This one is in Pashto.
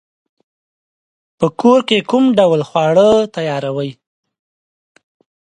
په کور کی کوم ډول خواړه تیاروئ؟